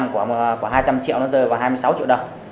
một mươi ba của hai trăm linh triệu nó rơi vào hai mươi sáu triệu đồng